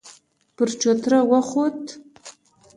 پر چوتره وخوت.